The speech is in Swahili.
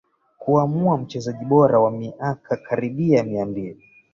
Kuamua mchezaji bora wa miaka karibia mia mbili